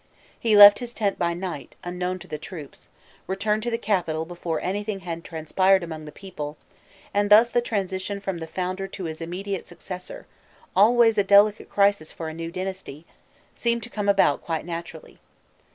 He left his tent by night, unknown to the troops, returned to the capital before anything had transpired among the people, and thus the transition from the founder to his immediate successor always a delicate crisis for a new dynasty seemed to come about quite naturally.